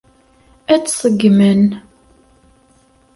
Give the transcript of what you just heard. Ad tt-ṣeggmen.